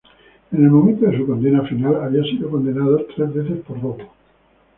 En el momento de su condena final, había sido condenado tres veces por robo.